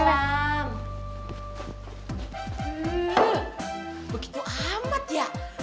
begitu amat ya